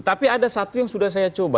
tapi ada satu yang sudah saya coba